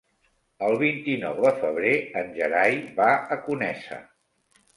El vint-i-nou de febrer en Gerai va a Conesa.